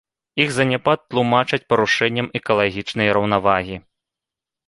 Іх заняпад тлумачаць парушэннем экалагічнай раўнавагі.